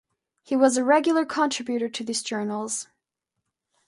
He was a regular contributor to these journals.